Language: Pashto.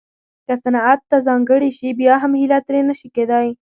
که صنعت ته ځانګړې شي بیا هم هیله ترې نه شي کېدای